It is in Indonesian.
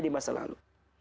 jadi masa lalu